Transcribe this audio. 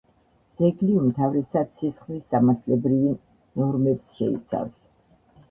ძეგლი უმთავრესად სისხლის სამართლებრივი ნორმებს შეიცავს.